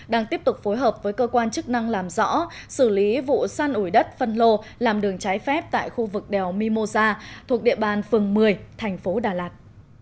đang tiếp tục phối hợp với cơ quan chức năng làm rõ xử lý vụ san ủi đất phân lô làm đường trái phép tại khu vực đèo mimosa thuộc địa bàn phường một mươi thành phố đà lạt